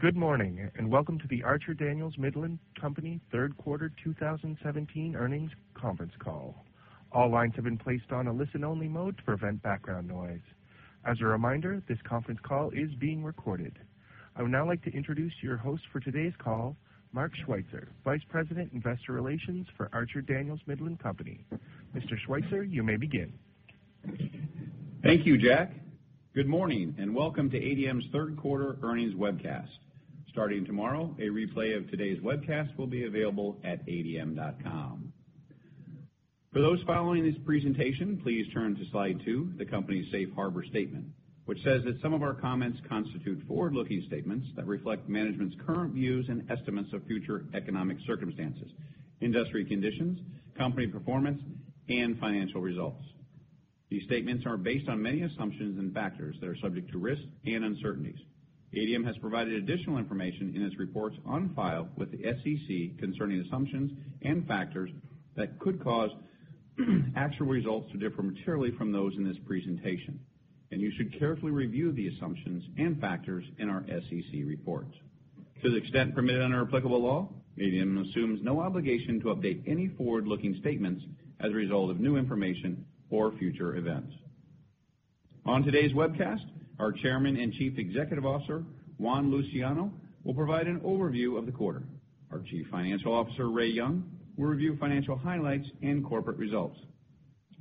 Good morning, and welcome to the Archer-Daniels-Midland Company third quarter 2017 earnings conference call. All lines have been placed on a listen-only mode to prevent background noise. As a reminder, this conference call is being recorded. I would now like to introduce your host for today's call, Mark Schweitzer, Vice President, Investor Relations for Archer-Daniels-Midland Company. Mr. Schweitzer, you may begin. Thank you, Jack. Good morning, and welcome to ADM's third quarter earnings webcast. Starting tomorrow, a replay of today's webcast will be available at adm.com. For those following this presentation, please turn to slide two, the company's safe harbor statement, which says that some of our comments constitute forward-looking statements that reflect management's current views and estimates of future economic circumstances, industry conditions, company performance, and financial results. These statements are based on many assumptions and factors that are subject to risks and uncertainties. ADM has provided additional information in its reports on file with the SEC concerning assumptions and factors that could cause actual results to differ materially from those in this presentation, you should carefully review the assumptions and factors in our SEC reports. To the extent permitted under applicable law, ADM assumes no obligation to update any forward-looking statements as a result of new information or future events. On today's webcast, our Chairman and Chief Executive Officer, Juan Luciano, will provide an overview of the quarter. Our Chief Financial Officer, Ray Young, will review financial highlights and corporate results.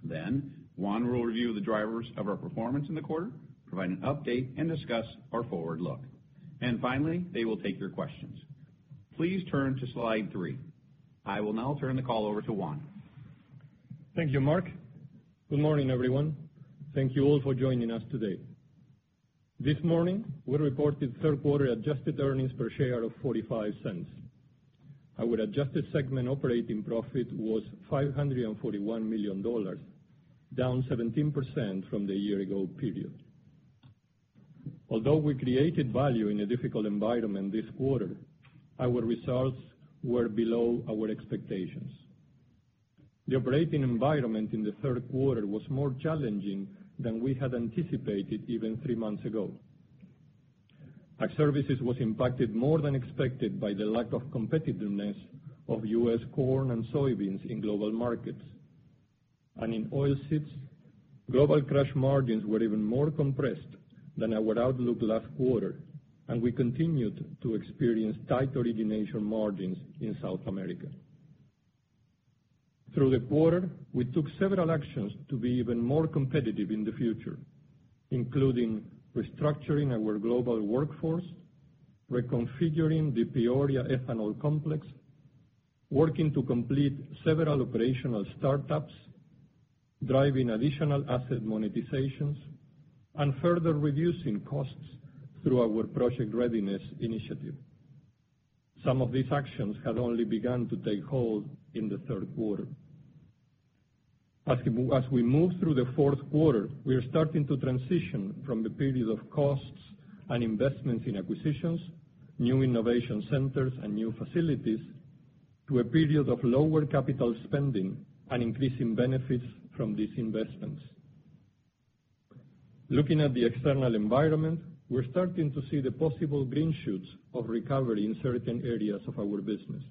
Juan will review the drivers of our performance in the quarter, provide an update, and discuss our forward look. Finally, they will take your questions. Please turn to slide three. I will now turn the call over to Juan. Thank you, Mark. Good morning, everyone. Thank you all for joining us today. This morning, we reported third-quarter adjusted earnings per share of $0.45. Our adjusted segment operating profit was $541 million, down 17% from the year ago period. Although we created value in a difficult environment this quarter, our results were below our expectations. The operating environment in the third quarter was more challenging than we had anticipated even three months ago. Ag Services was impacted more than expected by the lack of competitiveness of U.S. corn and soybeans in global markets. In Oilseeds, global crush margins were even more compressed than our outlook last quarter, and we continued to experience tight origination margins in South America. Through the quarter, we took several actions to be even more competitive in the future, including restructuring our global workforce, reconfiguring the Peoria ethanol complex, working to complete several operational startups, driving additional asset monetizations, and further reducing costs through our Project Readiness initiative. Some of these actions have only begun to take hold in the third quarter. As we move through the fourth quarter, we are starting to transition from the period of costs and investments in acquisitions, new innovation centers, and new facilities to a period of lower capital spending and increasing benefits from these investments. Looking at the external environment, we are starting to see the possible green shoots of recovery in certain areas of our business.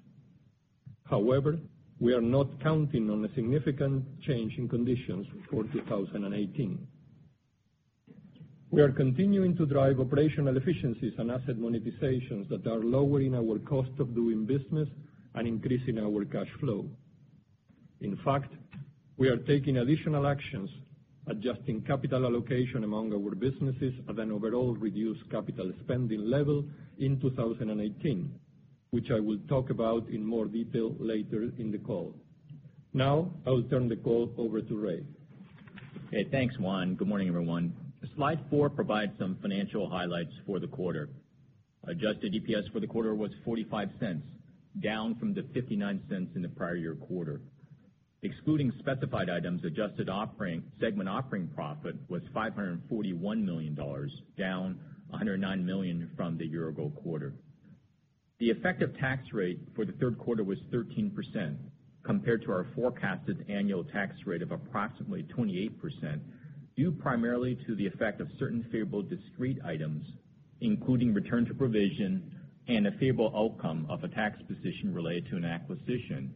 However, we are not counting on a significant change in conditions for 2018. We are continuing to drive operational efficiencies and asset monetizations that are lowering our cost of doing business and increasing our cash flow. In fact, we are taking additional actions adjusting capital allocation among our businesses at an overall reduced capital spending level in 2018, which I will talk about in more detail later in the call. I will turn the call over to Ray. Okay. Thanks, Juan. Good morning, everyone. Slide four provides some financial highlights for the quarter. Adjusted EPS for the quarter was $0.45, down from the $0.59 in the prior year-ago quarter. Excluding specified items, adjusted segment operating profit was $541 million, down $109 million from the year-ago quarter. The effective tax rate for the third quarter was 13%, compared to our forecasted annual tax rate of approximately 28%, due primarily to the effect of certain favorable discrete items, including return to provision and a favorable outcome of a tax position related to an acquisition,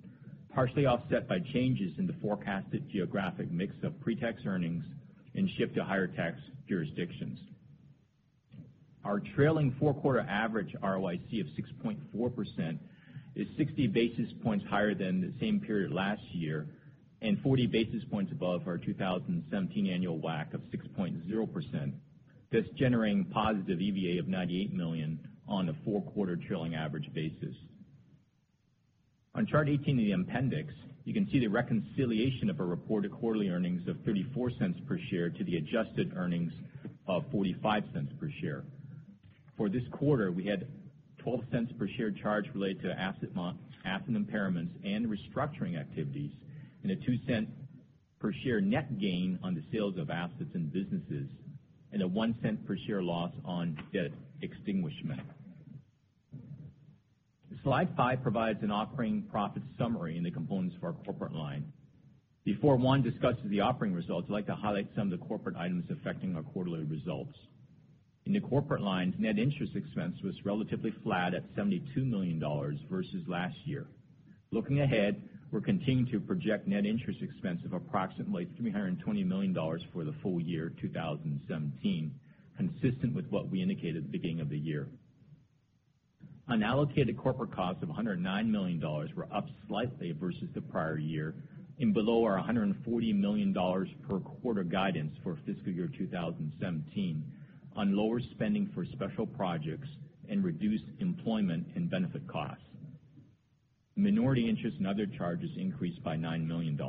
partially offset by changes in the forecasted geographic mix of pre-tax earnings and shift to higher tax jurisdictions. Our trailing four-quarter average ROIC of 6.4% is 60 basis points higher than the same period last year and 40 basis points above our 2017 annual WACC of 6.0%, thus generating positive EVA of $98 million on a four-quarter trailing average basis. On Chart 18 in the appendix, you can see the reconciliation of a reported quarterly earnings of $0.34 per share to the adjusted earnings of $0.45 per share. For this quarter, we had $0.12 per share charge related to asset impairments and restructuring activities, and a $0.02 per share net gain on the sales of assets and businesses, and a $0.01 per share loss on debt extinguishment. Slide five provides an operating profit summary and the components for our corporate line. Before Juan Luciano discusses the operating results, I'd like to highlight some of the corporate items affecting our quarterly results. In the corporate lines, net interest expense was relatively flat at $72 million versus last year. Looking ahead, we're continuing to project net interest expense of approximately $320 million for the full year 2017, consistent with what we indicated at the beginning of the year. Unallocated corporate costs of $109 million were up slightly versus the prior year and below our $140 million per quarter guidance for fiscal year 2017 on lower spending for special projects and reduced employment and benefit costs. Minority interest and other charges increased by $9 million.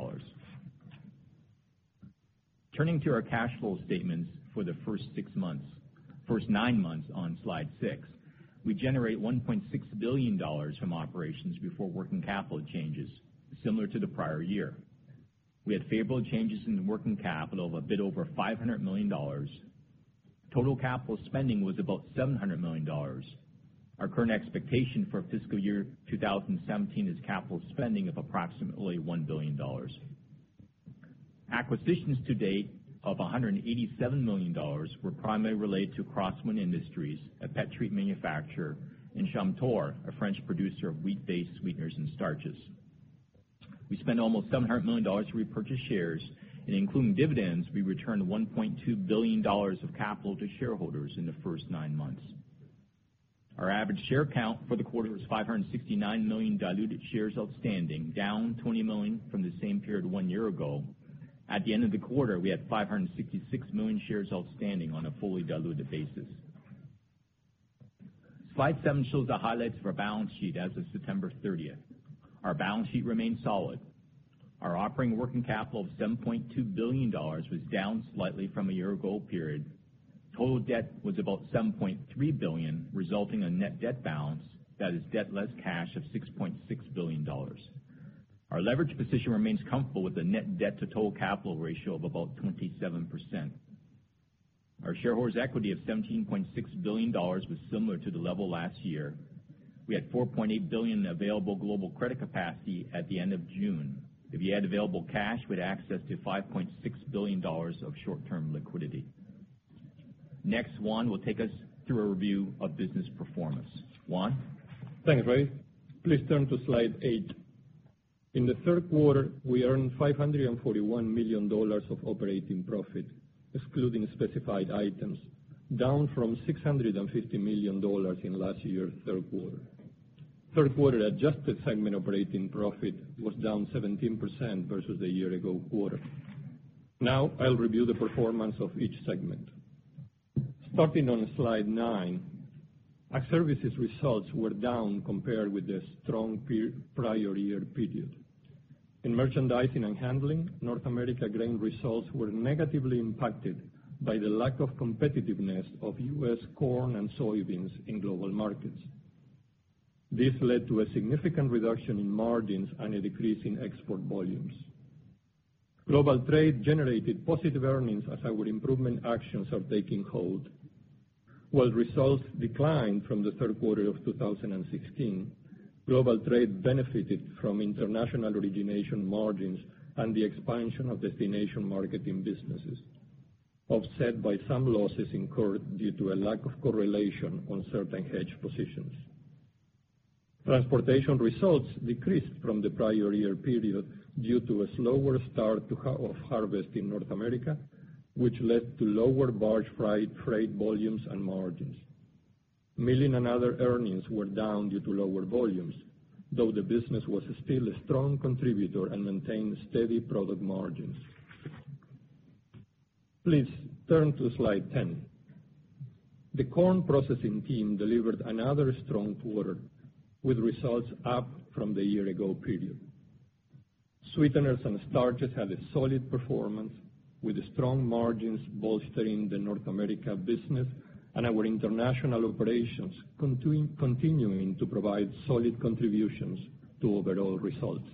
Turning to our cash flow statements for the first nine months on Slide six. We generate $1.6 billion from operations before working capital changes, similar to the prior year. We had favorable changes in the working capital of a bit over $500 million. Total capital spending was about $700 million. Our current expectation for fiscal year 2017 is capital spending of approximately $1 billion. Acquisitions to date of $187 million were primarily related to Crosswind Industries, a pet treat manufacturer, and Chamtor, a French producer of wheat-based sweeteners and starches. We spent almost $700 million to repurchase shares, and including dividends, we returned $1.2 billion of capital to shareholders in the first nine months. Our average share count for the quarter was 569 million diluted shares outstanding, down 20 million from the same period one year ago. At the end of the quarter, we had 566 million shares outstanding on a fully diluted basis. Slide seven shows the highlights of our balance sheet as of September 30th. Our balance sheet remains solid. Our operating working capital of $7.2 billion was down slightly from a year-ago period. Total debt was about $7.3 billion, resulting in net debt balance that is debt less cash of $6.6 billion. Our leverage position remains comfortable with a net debt to total capital ratio of about 27%. Our shareholders' equity of $17.6 billion was similar to the level last year. We had $4.8 billion available global credit capacity at the end of June. If you add available cash, we had access to $5.6 billion of short-term liquidity. Next, Juan Luciano will take us through a review of business performance. Juan? Thanks, Ray Young. Please turn to slide eight. In the third quarter, we earned $541 million of operating profit, excluding specified items, down from $650 million in last year's third quarter. Third quarter adjusted segment operating profit was down 17% versus the year-ago quarter. Now I'll review the performance of each segment. Starting on Slide nine, Ag Services results were down compared with the strong prior year period. In merchandising and handling, North America grain results were negatively impacted by the lack of competitiveness of U.S. Corn and soybeans in global markets. This led to a significant reduction in margins and a decrease in export volumes. Global trade generated positive earnings as our improvement actions are taking hold. While results declined from the third quarter of 2016, global trade benefited from international origination margins and the expansion of destination marketing businesses, offset by some losses incurred due to a lack of correlation on certain hedge positions. Transportation results decreased from the prior year period due to a slower start of harvest in North America, which led to lower barge freight volumes and margins. Milling and other earnings were down due to lower volumes, though the business was still a strong contributor and maintained steady product margins. Please turn to slide 10. The Corn processing team delivered another strong quarter with results up from the year-ago period. Sweeteners and starches had a solid performance with strong margins bolstering the North America business and our international operations continuing to provide solid contributions to overall results.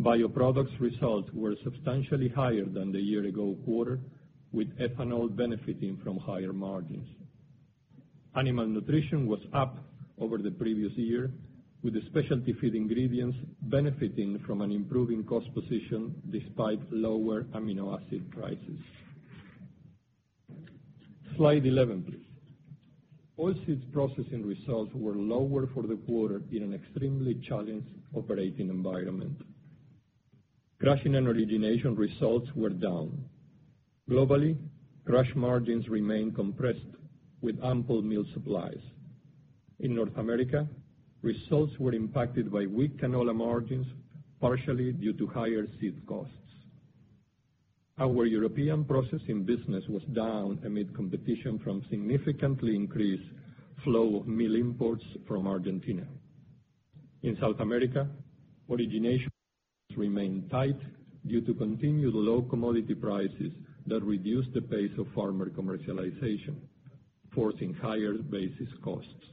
Bioproducts results were substantially higher than the year-ago quarter, with ethanol benefiting from higher margins. Animal nutrition was up over the previous year, with specialty feed ingredients benefiting from an improving cost position despite lower amino acid prices. Slide 11, please. Oilseeds processing results were lower for the quarter in an extremely challenged operating environment. Crushing and origination results were down. Globally, crush margins remain compressed with ample meal supplies. In North America, results were impacted by weak canola margins, partially due to higher seed costs. Our European processing business was down amid competition from significantly increased flow of meal imports from Argentina. In South America, origination remained tight due to continued low commodity prices that reduced the pace of farmer commercialization, forcing higher basis costs.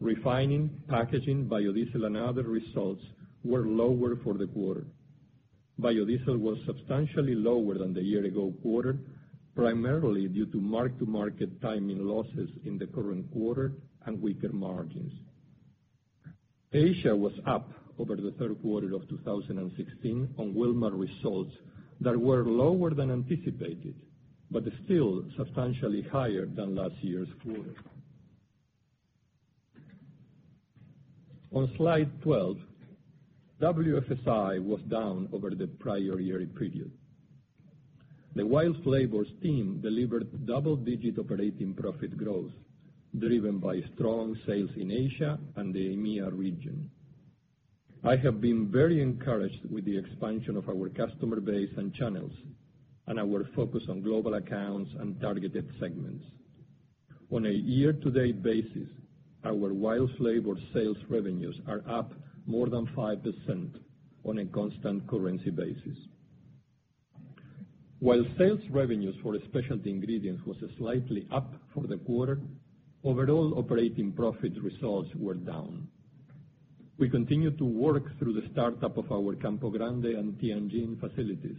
Refining, packaging, biodiesel, and other results were lower for the quarter. Biodiesel was substantially lower than the year-ago quarter, primarily due to mark-to-market timing losses in the current quarter and weaker margins. Asia was up over the third quarter of 2016 on Wilmar results that were lower than anticipated, but still substantially higher than last year's quarter. On slide 12, WFSI was down over the prior year period. The WILD Flavors team delivered double-digit operating profit growth, driven by strong sales in Asia and the EMEA region. I have been very encouraged with the expansion of our customer base and channels, and our focus on global accounts and targeted segments. On a year-to-date basis, our WILD Flavors sales revenues are up more than 5% on a constant currency basis. While sales revenues for specialty ingredients was slightly up for the quarter, overall operating profit results were down. We continue to work through the startup of our Campo Grande and Tianjin facilities,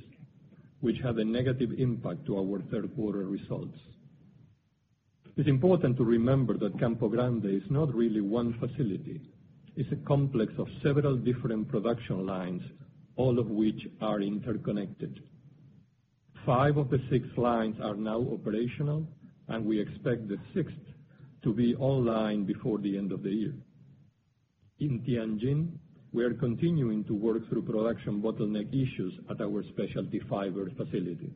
which had a negative impact to our third quarter results. It's important to remember that Campo Grande is not really one facility. It's a complex of several different production lines, all of which are interconnected. Five of the six lines are now operational, and we expect the sixth to be online before the end of the year. In Tianjin, we are continuing to work through production bottleneck issues at our specialty fibers facility.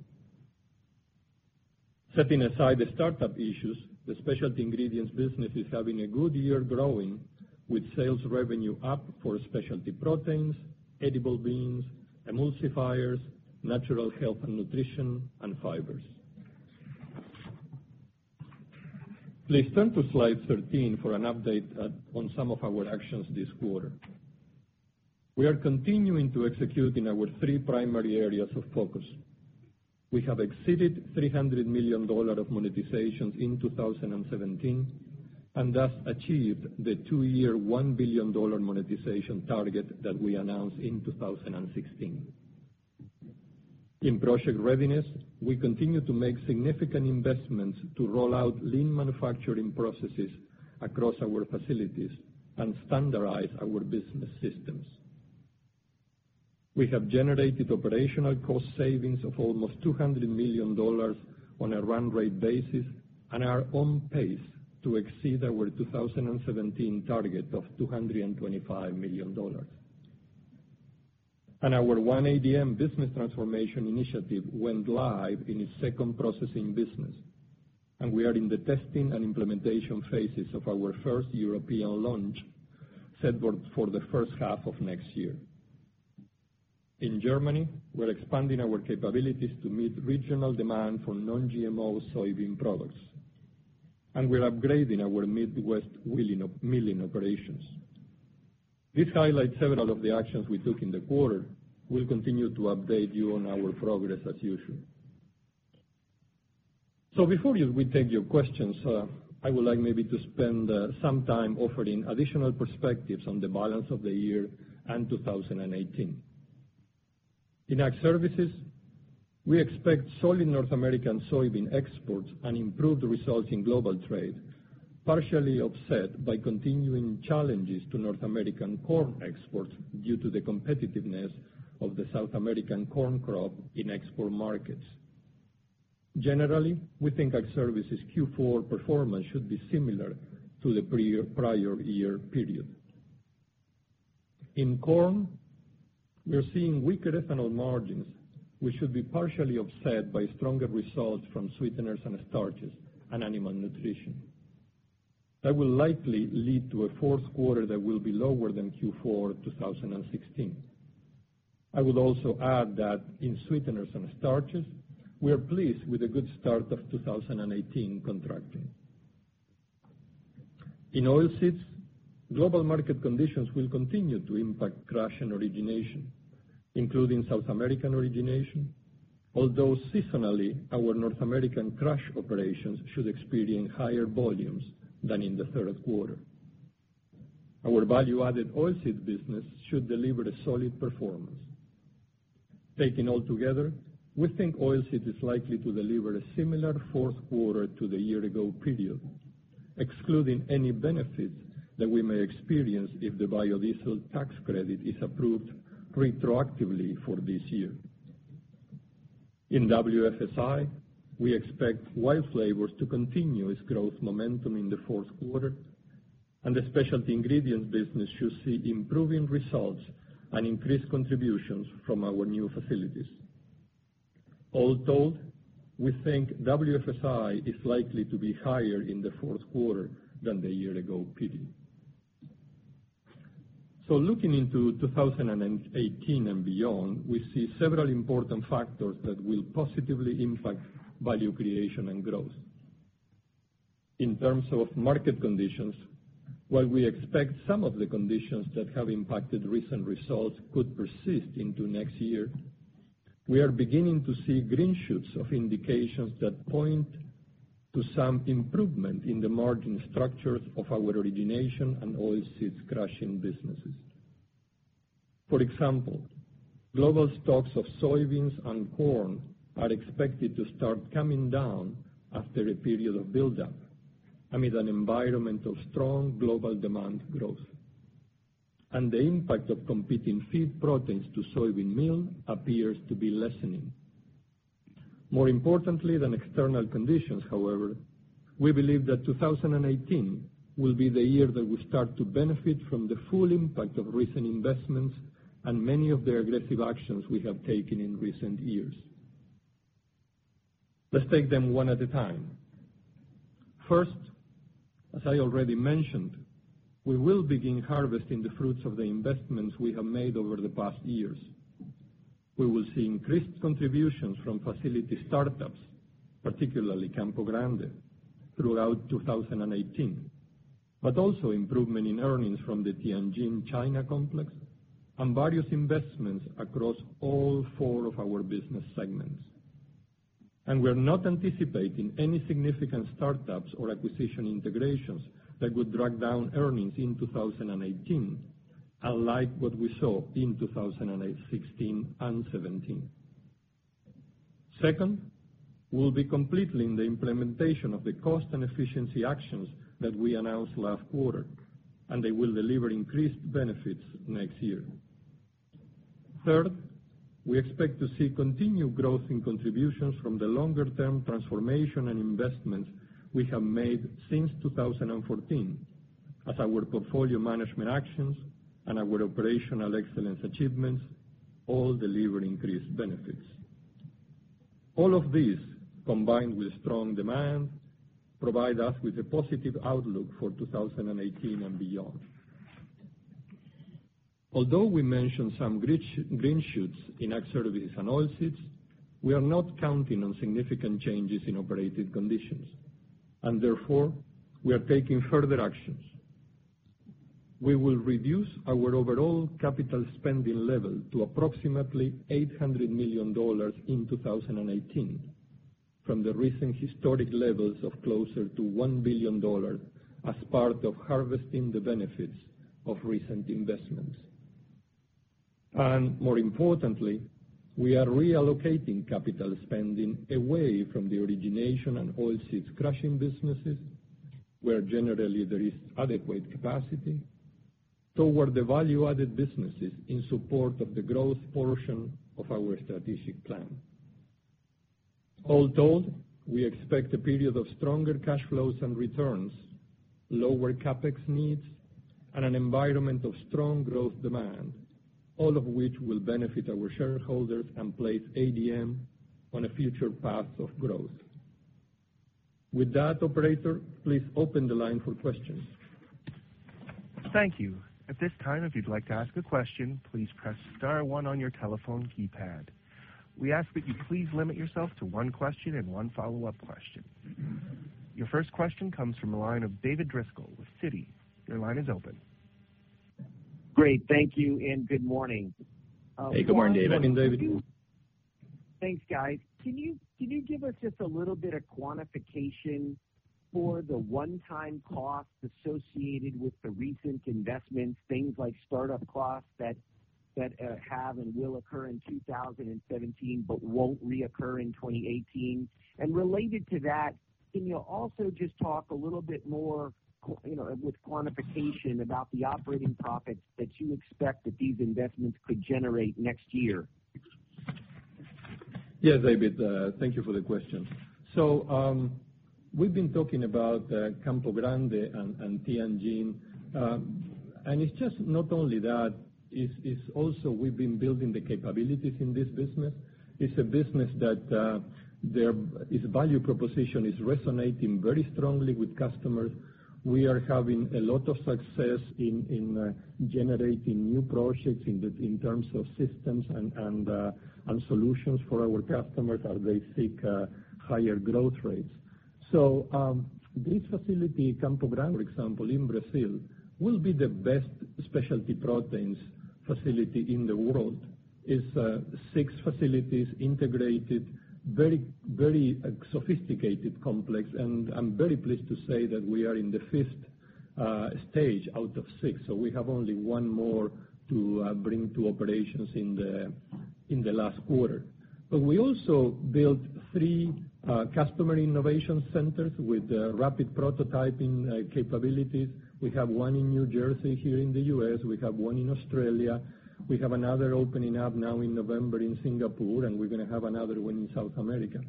Setting aside the startup issues, the specialty ingredients business is having a good year growing, with sales revenue up for specialty proteins, edible beans, emulsifiers, natural health and nutrition, and fibers. Please turn to slide 13 for an update on some of our actions this quarter. We are continuing to execute in our three primary areas of focus. We have exceeded $300 million of monetizations in 2017, and thus achieved the two-year, $1 billion monetization target that we announced in 2016. In Project Readiness, we continue to make significant investments to roll out lean manufacturing processes across our facilities and standardize our business systems. We have generated operational cost savings of almost $200 million on a run rate basis, and are on pace to exceed our 2017 target of $225 million. Our One ADM business transformation initiative went live in its second processing business, and we are in the testing and implementation phases of our first European launch set for the first half of next year. In Germany, we're expanding our capabilities to meet regional demand for non-GMO soybean products, and we're upgrading our Midwest milling operations. This highlights several of the actions we took in the quarter. We'll continue to update you on our progress as usual. Before we take your questions, I would like maybe to spend some time offering additional perspectives on the balance of the year and 2018. In Ag Services, we expect solid North American soybean exports and improved results in global trade, partially offset by continuing challenges to North American corn exports due to the competitiveness of the South American corn crop in export markets. Generally, we think Ag Services' Q4 performance should be similar to the prior year period. In corn, we are seeing weaker ethanol margins, which should be partially offset by stronger results from Sweeteners and Starches and Animal Nutrition. That will likely lead to a fourth quarter that will be lower than Q4 2016. I would also add that in Sweeteners and Starches, we are pleased with the good start of 2018 contracting. In Oilseeds, global market conditions will continue to impact crush and origination, including South American origination, although seasonally, our North American crush operations should experience higher volumes than in the third quarter. Our value-added oilseed business should deliver a solid performance. Taken altogether, we think Oilseeds is likely to deliver a similar fourth quarter to the year-ago period, excluding any benefits that we may experience if the biodiesel tax credit is approved retroactively for this year. In WFSI, we expect WILD Flavors to continue its growth momentum in the fourth quarter, and the specialty ingredients business should see improving results and increased contributions from our new facilities. All told, we think WFSI is likely to be higher in the fourth quarter than the year-ago period. Looking into 2018 and beyond, we see several important factors that will positively impact value creation and growth. In terms of market conditions, while we expect some of the conditions that have impacted recent results could persist into next year. We are beginning to see green shoots of indications that point to some improvement in the margin structures of our origination and Oilseeds crushing businesses. For example, global stocks of soybeans and corn are expected to start coming down after a period of buildup, amid an environment of strong global demand growth. The impact of competing feed proteins to soybean meal appears to be lessening. More importantly than external conditions, however, we believe that 2018 will be the year that we start to benefit from the full impact of recent investments and many of the aggressive actions we have taken in recent years. Let's take them one at a time. First, as I already mentioned, we will begin harvesting the fruits of the investments we have made over the past years. We will see increased contributions from facility startups, particularly Campo Grande, throughout 2018, but also improvement in earnings from the Tianjin China complex and various investments across all four of our business segments. We're not anticipating any significant startups or acquisition integrations that would drag down earnings in 2018, unlike what we saw in 2016 and 2017. Second, we'll be completing the implementation of the cost and efficiency actions that we announced last quarter, and they will deliver increased benefits next year. Third, we expect to see continued growth in contributions from the longer-term transformation and investments we have made since 2014, as our portfolio management actions and our operational excellence achievements all deliver increased benefits. All of this, combined with strong demand, provide us with a positive outlook for 2018 and beyond. Although we mentioned some green shoots in Ag Services and Oilseeds, we are not counting on significant changes in operating conditions. Therefore, we are taking further actions. We will reduce our overall capital spending level to approximately $800 million in 2018, from the recent historic levels of closer to $1 billion, as part of harvesting the benefits of recent investments. More importantly, we are reallocating capital spending away from the origination and Oilseeds crushing businesses, where generally there is adequate capacity, toward the value-added businesses in support of the growth portion of our strategic plan. All told, we expect a period of stronger cash flows and returns, lower CapEx needs, and an environment of strong growth demand, all of which will benefit our shareholders and place ADM on a future path of growth. With that, operator, please open the line for questions. Thank you. At this time, if you'd like to ask a question, please press *1 on your telephone keypad. We ask that you please limit yourself to one question and one follow-up question. Your first question comes from the line of David Driscoll with Citi. Your line is open. Great. Thank you, and good morning. Hey, good morning, David. Thanks, guys. Can you give us just a little bit of quantification for the one-time cost associated with the recent investments, things like startup costs that have and will occur in 2017, but won't reoccur in 2018? Related to that, can you also just talk a little bit more, with quantification, about the operating profits that you expect that these investments could generate next year? Yes, David, thank you for the question. We've been talking about Campo Grande and Tianjin. It's just not only that, it's also we've been building the capabilities in this business. It's a business that its value proposition is resonating very strongly with customers. We are having a lot of success in generating new projects in terms of systems and solutions for our customers as they seek higher growth rates. This facility, Campo Grande, for example, in Brazil, will be the best specialty proteins facility in the world. It's six facilities integrated, very sophisticated, complex, and I'm very pleased to say that we are in the fifth stage out of six, we have only one more to bring to operations in the last quarter. We also built three customer innovation centers with rapid prototyping capabilities. We have one in New Jersey here in the U.S., we have one in Australia, we have another opening up now in November in Singapore, and we're going to have another one in South America.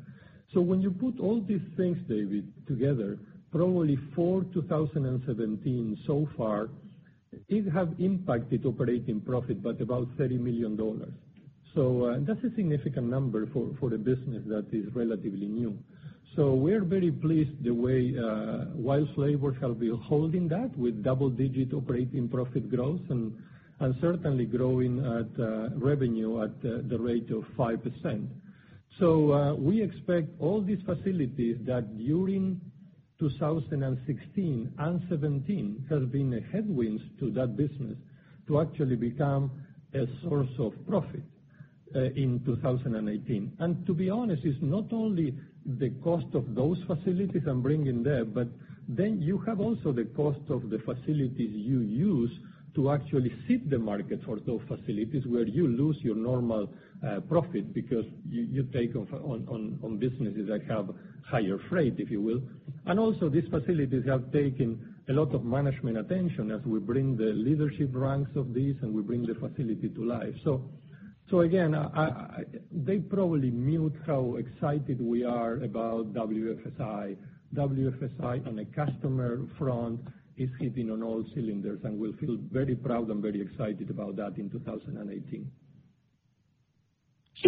When you put all these things, David, together, probably for 2017 so far, it has impacted operating profit, but about $30 million. That's a significant number for a business that is relatively new. We're very pleased the way WILD Flavors shall be holding that with double-digit operating profit growth and certainly growing at revenue at the rate of 5%. We expect all these facilities that during 2016 and 2017 have been a headwind to that business to actually become a source of profit in 2018. To be honest, it's not only the cost of those facilities I'm bringing there, you have also the cost of the facilities you use to actually fit the market for those facilities, where you lose your normal profit because you take on businesses that have higher freight, if you will. Also, these facilities have taken a lot of management attention as we bring the leadership ranks of these, and we bring the facility to life. Again, they probably mute how excited we are about WFSI. WFSI on a customer front is hitting on all cylinders, and we'll feel very proud and very excited about that in 2018.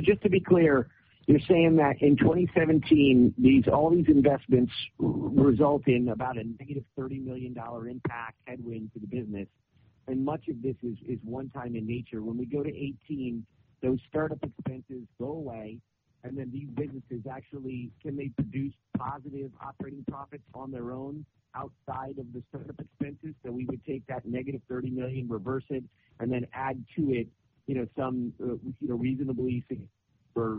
Just to be clear, you're saying that in 2017, all these investments result in about a negative $30 million impact headwind to the business, and much of this is one-time in nature. When we go to 2018, those startup expenses go away, and then these businesses actually, can they produce positive operating profits on their own outside of the startup expenses? We would take that negative $30 million, reverse it, and then add to it some reasonably,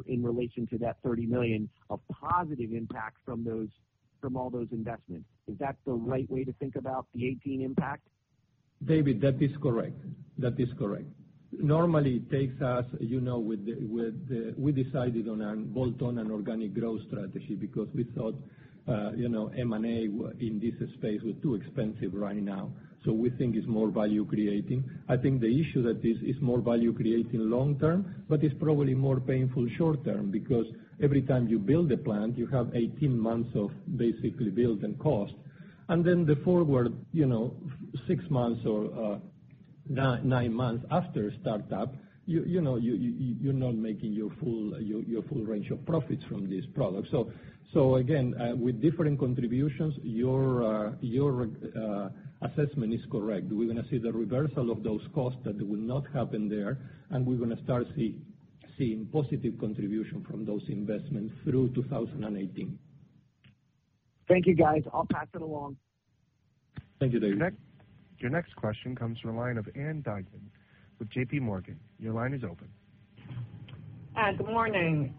in relation to that $30 million of positive impact from all those investments. Is that the right way to think about the 2018 impact? David, that is correct. Normally, it takes us. We decided on a bolt-on and organic growth strategy because we thought M&A in this space was too expensive right now. We think it's more value creating. I think the issue that this is more value creating long term, but it's probably more painful short term, because every time you build a plant, you have 18 months of basically build and cost. Then the forward six months or nine months after startup, you're not making your full range of profits from this product. Again, with differing contributions, your assessment is correct. We're going to see the reversal of those costs that will not happen there, and we're going to start seeing positive contribution from those investments through 2018. Thank you, guys. I'll pass it along. Thank you, David. Your next question comes from the line of Ann Duignan with JPMorgan. Your line is open. Good morning.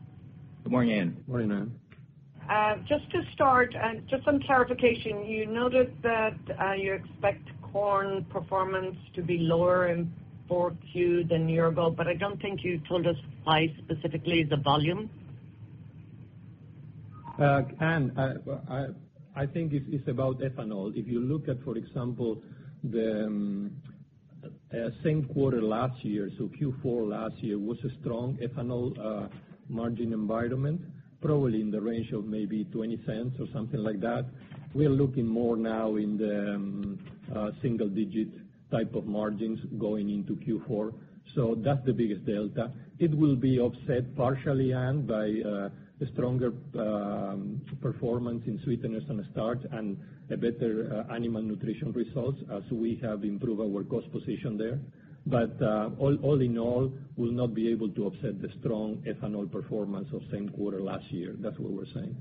Good morning, Ann. Morning, Ann. Just to start, just some clarification, you noted that you expect corn performance to be lower in 4Q than a year ago, I don't think you told us why, specifically the volume. Ann, I think it's about ethanol. If you look at, for example, the same quarter last year, Q4 last year was a strong ethanol margin environment, probably in the range of maybe $0.20 or something like that. We are looking more now in the single-digit type of margins going into Q4. That's the biggest delta. It will be offset partially, Ann, by a stronger performance in Sweeteners and Starches and better Animal Nutrition results as we have improved our cost position there. All in all, we'll not be able to offset the strong ethanol performance of the same quarter last year. That's what we're saying.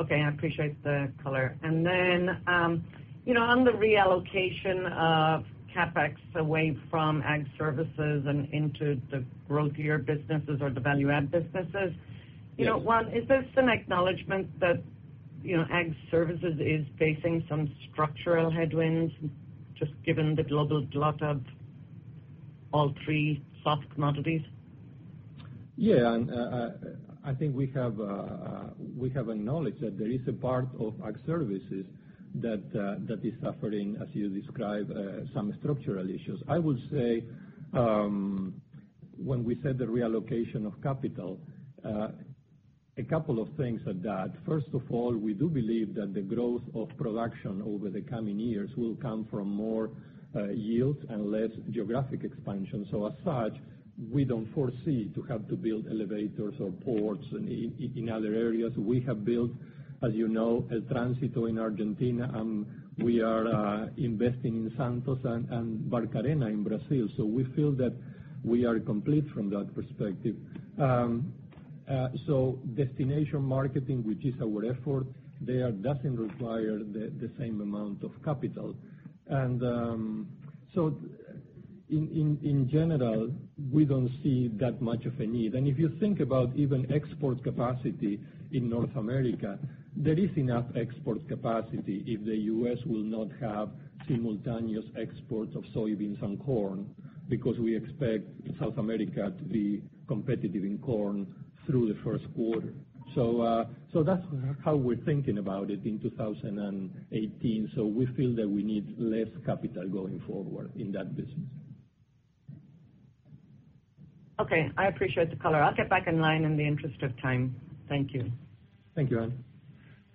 Okay. I appreciate the color. On the reallocation of CapEx away from Ag Services and into the growthier businesses or the value-add businesses Yes one, is this an acknowledgment that Ag Services is facing some structural headwinds, just given the global glut of all three soft commodities? Yeah, Ann. I think we have acknowledged that there is a part of Ag Services that is suffering, as you describe, some structural issues. I will say, when we said the reallocation of capital, a couple of things at that. First of all, we do believe that the growth of production over the coming years will come from more yields and less geographic expansion. As such, we don't foresee to have to build elevators or ports in other areas. We have built, as you know, El Tránsito in Argentina, and we are investing in Santos and Barcarena in Brazil. We feel that we are complete from that perspective. Destination marketing, which is our effort there, doesn't require the same amount of capital. In general, we don't see that much of a need. If you think about even export capacity in North America, there is enough export capacity if the U.S. will not have simultaneous exports of soybeans and corn, because we expect South America to be competitive in corn through the first quarter. That's how we're thinking about it in 2018. We feel that we need less capital going forward in that business. Okay. I appreciate the color. I'll get back in line in the interest of time. Thank you. Thank you, Ann.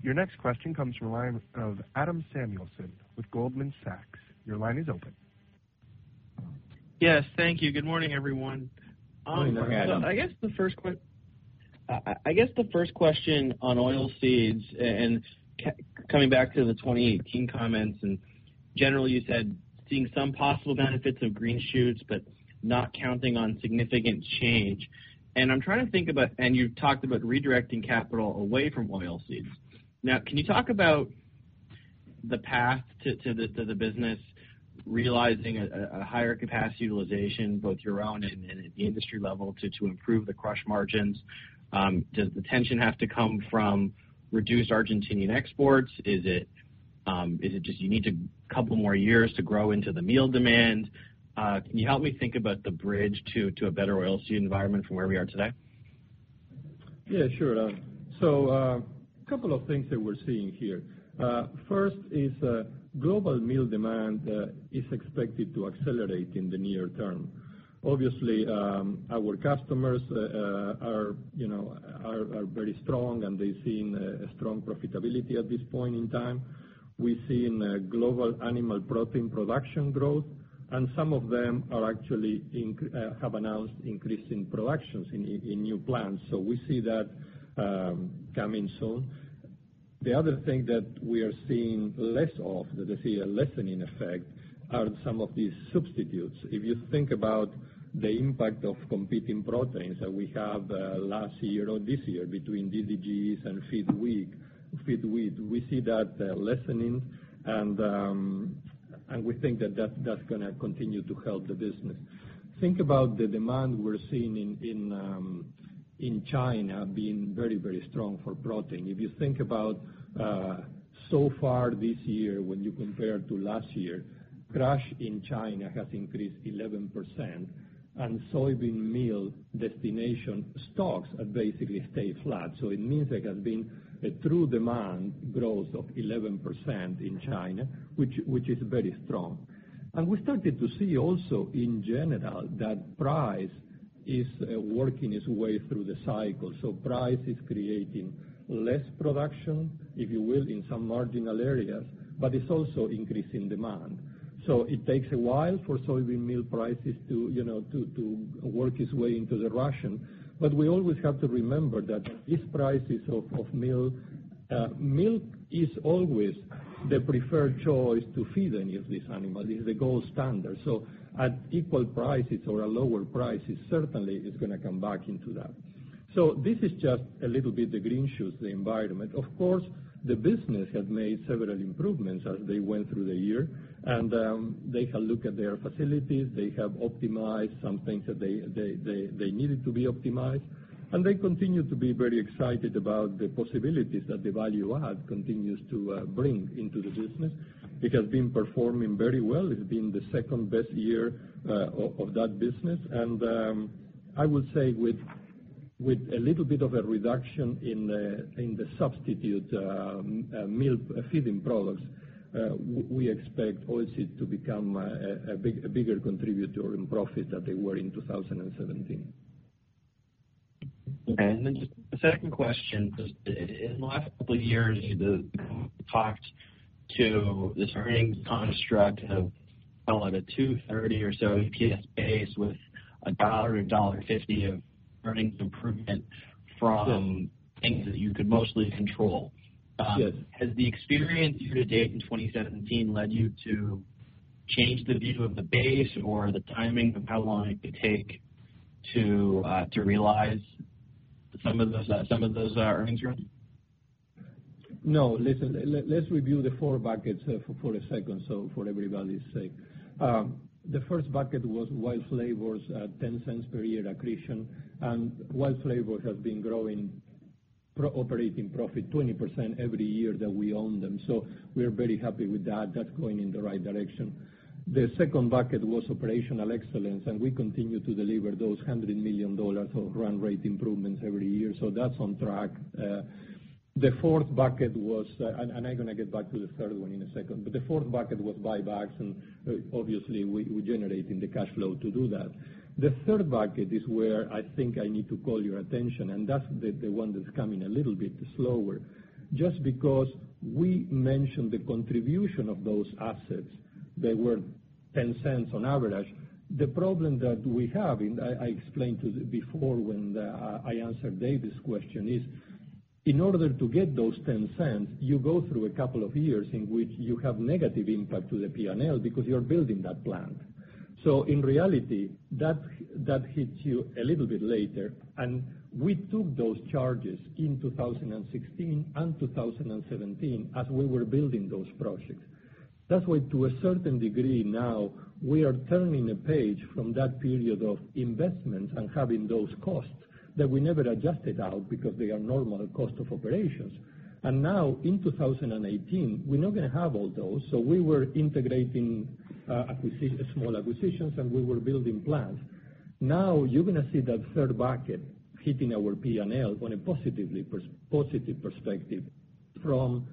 Your next question comes from the line of Adam Samuelson with Goldman Sachs. Your line is open. Yes. Thank you. Good morning, everyone. Morning, Adam. I guess the first question on Oilseeds, coming back to the 2018 comments, generally, you said, seeing some possible benefits of green shoots, not counting on significant change. You've talked about redirecting capital away from Oilseeds. Now, can you talk about the path to the business realizing a higher capacity utilization, both your own and at the industry level, to improve the crush margins? Does the tension have to come from reduced Argentinian exports? Is it just you need a couple more years to grow into the meal demand? Can you help me think about the bridge to a better oilseed environment from where we are today? Yeah, sure. A couple of things that we're seeing here. First is global meal demand is expected to accelerate in the near term. Obviously, our customers are very strong, they're seeing a strong profitability at this point in time. We've seen global animal protein production growth, some of them have actually announced increasing productions in new plants. We see that coming soon. The other thing that we are seeing less of, that I see a lessening effect, are some of these substitutes. If you think about the impact of competing proteins that we have last year or this year between DDGs and feed wheat, we see that lessening, we think that's going to continue to help the business. Think about the demand we're seeing in China being very strong for protein. If you think about so far this year, when you compare to last year, crush in China has increased 11%, soybean meal destination stocks have basically stayed flat. It means there has been a true demand growth of 11% in China, which is very strong. We started to see also, in general, that price is working its way through the cycle. Price is creating less production, if you will, in some marginal areas, but it's also increasing demand. It takes a while for soybean meal prices to work its way into the ration. We always have to remember that these prices of meal is always the preferred choice to feed any of these animals. It's the gold standard. At equal prices or at lower prices, certainly it's going to come back into that. This is just a little bit the green shoots, the environment. Of course, the business has made several improvements as they went through the year. They have looked at their facilities, they have optimized some things that they needed to be optimized, and they continue to be very excited about the possibilities that the value add continues to bring into the business. It has been performing very well. It's been the second-best year of that business. I would say, with a little bit of a reduction in the substitute milk feeding products, we expect Oilseeds to become a bigger contributor in profit than they were in 2017. Okay. Just the second question, because in the last couple of years, you talked to this earnings construct of, call it a $2.30 or so EPS base with a $1 to $1.50 of earnings improvement from things that you could mostly control. Yes. Has the experience year to date in 2017 led you to change the view of the base or the timing of how long it could take to realize some of those earnings growth? No. Listen, let's review the four buckets for a second so for everybody's sake. The first bucket was WILD Flavors at $0.10 per year accretion. WILD Flavors has been growing operating profit 20% every year that we own them. We are very happy with that. That's going in the right direction. The second bucket was operational excellence, and we continue to deliver those $100 million of run rate improvements every year. That's on track. The fourth bucket was, and I'm going to get back to the third one in a second, but the fourth bucket was buybacks, and obviously, we're generating the cash flow to do that. The third bucket is where I think I need to call your attention, and that's the one that's coming a little bit slower. Just because we mentioned the contribution of those assets, they were $0.10 on average. The problem that we have, I explained before when I answered David's question is, in order to get those $0.10, you go through a couple of years in which you have negative impact to the P&L because you're building that plant. In reality, that hits you a little bit later. We took those charges in 2016 and 2017 as we were building those projects. That's why, to a certain degree now, we are turning a page from that period of investments and having those costs that we never adjusted out because they are normal cost of operations. Now in 2018, we're not going to have all those. We were integrating small acquisitions, and we were building plants. Now you're going to see that third bucket hitting our P&L on a positive perspective from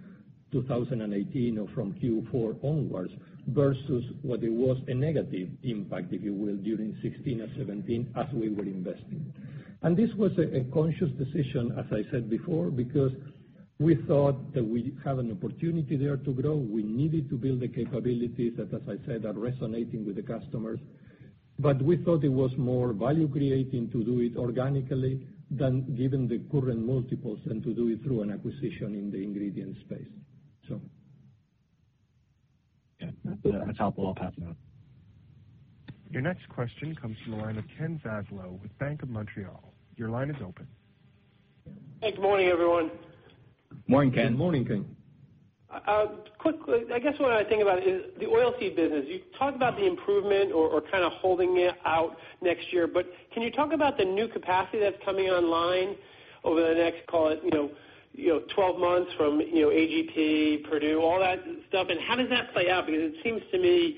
2018 or from Q4 onwards versus what it was a negative impact, if you will, during 2016 or 2017 as we were investing. This was a conscious decision, as I said before, because we thought that we have an opportunity there to grow. We needed to build the capabilities that, as I said, are resonating with the customers. We thought it was more value creating to do it organically than given the current multiples and to do it through an acquisition in the ingredient space. Okay. That's helpful. I'll pass it on. Your next question comes from the line of Kenneth Zaslow with BMO Capital Markets. Your line is open. Good morning, everyone. Morning, Ken. Good morning, Ken. Quickly, I guess what I think about is the Oilseeds business. You talked about the improvement or kind of holding it out next year. Can you talk about the new capacity that's coming online over the next, call it 12 months from AGP, Perdue, all that stuff, and how does that play out? It seems to me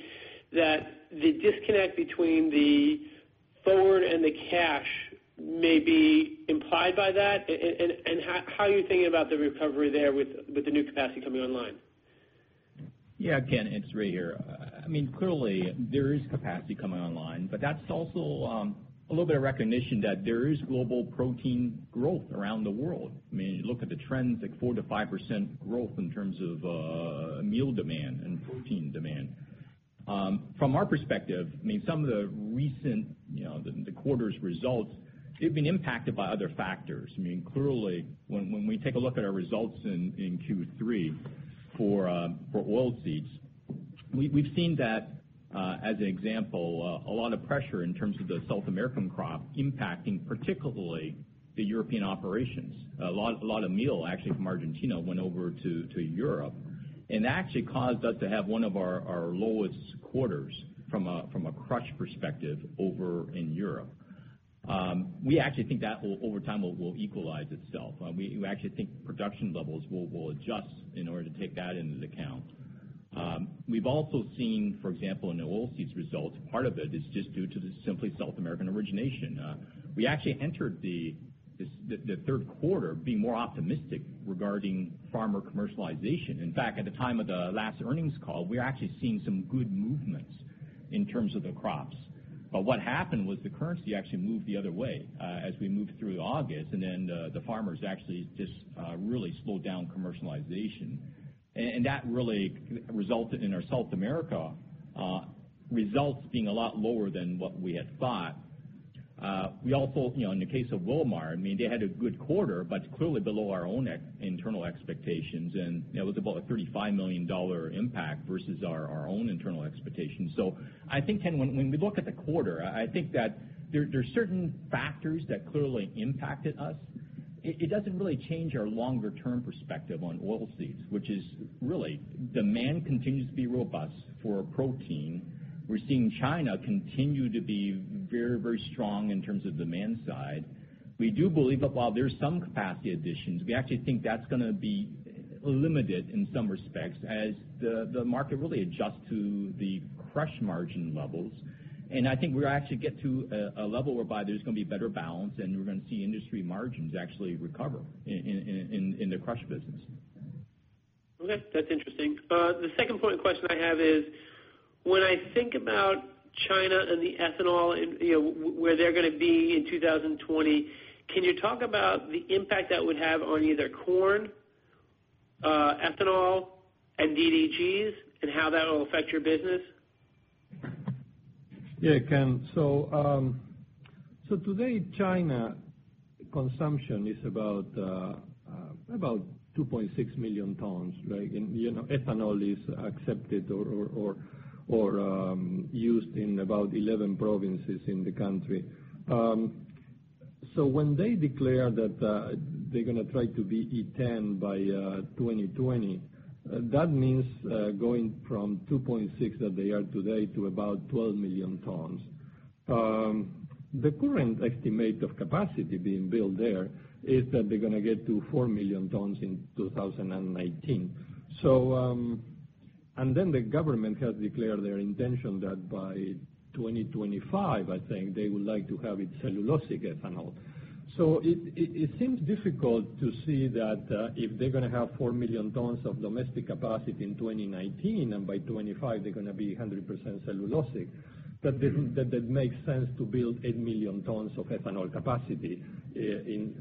that the disconnect between the forward and the cash may be implied by that. How are you thinking about the recovery there with the new capacity coming online? Yeah, Ken, it's Ray here. Clearly, there is capacity coming online, that's also a little bit of recognition that there is global protein growth around the world. You look at the trends, like 4%-5% growth in terms of meal demand and protein demand. From our perspective, some of the recent, the quarter's results, they've been impacted by other factors. Clearly, when we take a look at our results in Q3 for Oilseeds, we've seen that, as an example, a lot of pressure in terms of the South American crop impacting, particularly the European operations. A lot of meal, actually, from Argentina went over to Europe, and that actually caused us to have one of our lowest quarters from a crush perspective over in Europe. We actually think that over time will equalize itself. We actually think production levels will adjust in order to take that into account. We've also seen, for example, in the Oilseeds results, part of it is just due to the simply South American origination. We actually entered the third quarter being more optimistic regarding farmer commercialization. In fact, at the time of the last earnings call, we were actually seeing some good movements in terms of the crops. What happened was the currency actually moved the other way as we moved through August, the farmers actually just really slowed down commercialization. That really resulted in our South America results being a lot lower than what we had thought. We also, in the case of Wilmar, they had a good quarter, but clearly below our own internal expectations, and it was about a $35 million impact versus our own internal expectations. I think, Ken, when we look at the quarter, I think that there are certain factors that clearly impacted us. It doesn't really change our longer-term perspective on Oilseeds, which is really, demand continues to be robust for protein. We're seeing China continue to be very strong in terms of demand side. We do believe that while there's some capacity additions, we actually think that's going to be limited in some respects as the market really adjusts to the crush margin levels. I think we'll actually get to a level whereby there's going to be a better balance, and we're going to see industry margins actually recover in the crush business. That's interesting. The second point of question I have is, when I think about China and the ethanol, where they're going to be in 2020, can you talk about the impact that would have on either corn, ethanol, and DDGs, and how that will affect your business? Ken. Today, China consumption is about 2.6 million tons. Ethanol is accepted or used in about 11 provinces in the country. When they declare that they're going to try to be E10 by 2020, that means going from 2.6 that they are today to about 12 million tons. The current estimate of capacity being built there is that they're going to get to 4 million tons in 2019. The government has declared their intention that by 2025, I think, they would like to have it cellulosic ethanol. It seems difficult to see that if they're going to have 4 million tons of domestic capacity in 2019, and by 2025, they're going to be 100% cellulosic, that it makes sense to build 8 million tons of ethanol capacity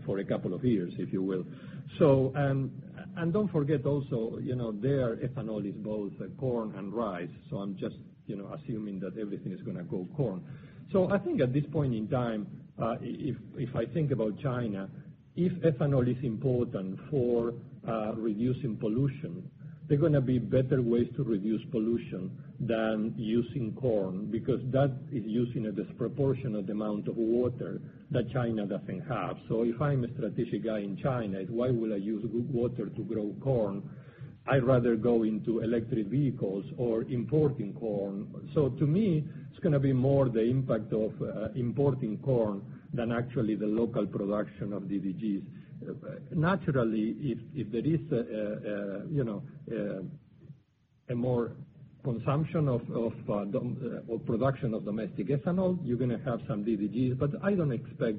for a couple of years, if you will. Don't forget also, their ethanol is both corn and rice, I'm just assuming that everything is going to go corn. I think at this point in time, if I think about China, if ethanol is important for reducing pollution, there are going to be better ways to reduce pollution than using corn, because that is using a disproportionate amount of water that China doesn't have. If I'm a strategic guy in China, why would I use good water to grow corn? I'd rather go into electric vehicles or importing corn. To me, it's going to be more the impact of importing corn than actually the local production of DDGs. Naturally, if there is more consumption of production of domestic ethanol, you're going to have some DDGs. I don't expect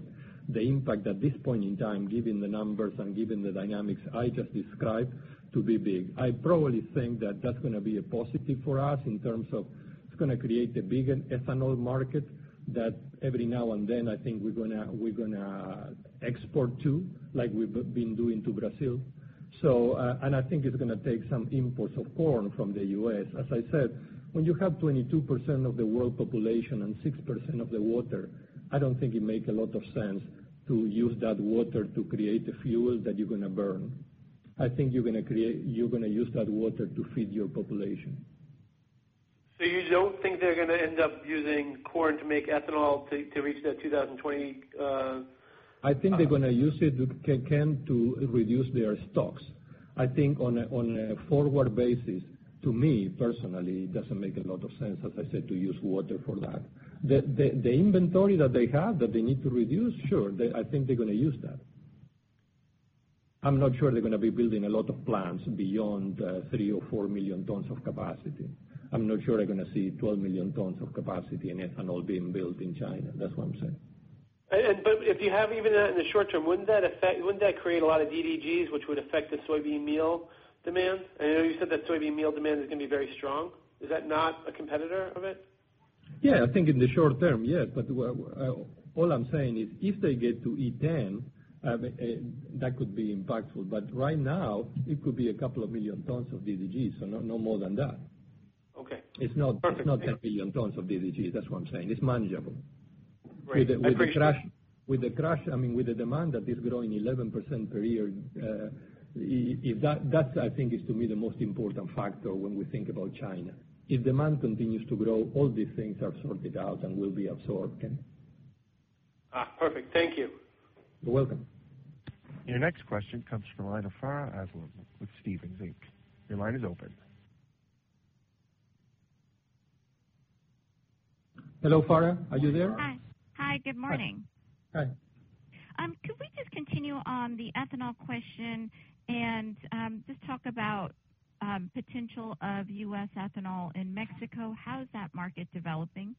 the impact at this point in time, given the numbers and given the dynamics I just described, to be big. I probably think that that's going to be a positive for us in terms of it's going to create a bigger ethanol market that every now and then, I think we're going to export to, like we've been doing to Brazil. I think it's going to take some imports of corn from the U.S. As I said, when you have 22% of the world population and 6% of the water, I don't think it makes a lot of sense to use that water to create a fuel that you're going to burn. I think you're going to use that water to feed your population. You don't think they're going to end up using corn to make ethanol to reach that 2020. I think they're going to use it, they can to reduce their stocks. I think on a forward basis, to me personally, it doesn't make a lot of sense, as I said, to use water for that. The inventory that they have that they need to reduce, sure, I think they're going to use that. I'm not sure they're going to be building a lot of plants beyond three or four million tons of capacity. I'm not sure I'm going to see 12 million tons of capacity in ethanol being built in China. That's what I'm saying. If you have even that in the short term, wouldn't that create a lot of DDGs, which would affect the soybean meal demand? I know you said that soybean meal demand is going to be very strong. Is that not a competitor of it? Yeah, I think in the short term, yes. All I'm saying is if they get to E10, that could be impactful. Right now, it could be a couple of million tons of DDGs, no more than that. Okay. It's not- Perfect. 10 million tons of DDGs. That's what I'm saying. It's manageable. Great. I appreciate- With the crush, with the demand that is growing 11% per year, that I think is to me the most important factor when we think about China. If demand continues to grow, all these things are sorted out and will be absorbed. Perfect. Thank you. You're welcome. Your next question comes from the line of Farha Aslam with Stephens Inc. Your line is open. Hello, Farha. Are you there? Hi. Good morning. Hi. Could we just continue on the ethanol question and just talk about potential of U.S. ethanol in Mexico? How is that market developing?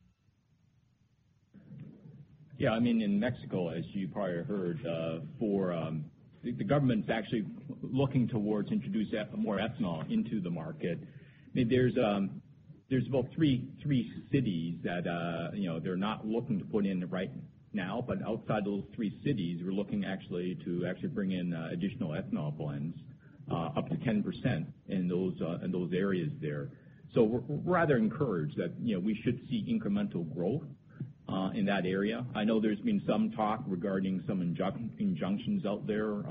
Yeah, in Mexico, as you probably heard, the government's actually looking towards introducing more ethanol into the market. There's about three cities that they're not looking to put in right now, but outside those three cities, we're looking to actually bring in additional ethanol blends up to 10% in those areas there. We're rather encouraged that we should see incremental growth in that area. I know there's been some talk regarding some injunctions out there.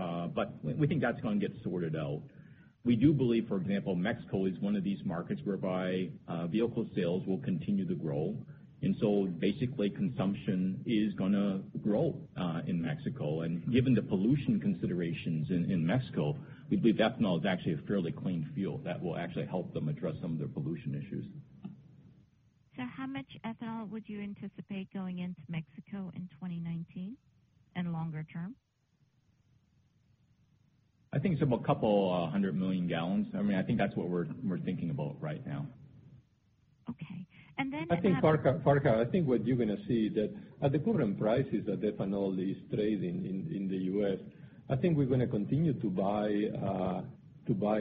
We think that's going to get sorted out. We do believe, for example, Mexico is one of these markets whereby vehicle sales will continue to grow, and basically consumption is going to grow in Mexico. Given the pollution considerations in Mexico, we believe ethanol is actually a fairly clean fuel that will actually help them address some of their pollution issues. How much ethanol would you anticipate going into Mexico in 2019 and longer term? I think it's about a couple of hundred million gallons. I think that's what we're thinking about right now. Okay. I think Farha, I think what you're going to see is that at the current prices that ethanol is trading in the U.S., I think we're going to continue to buy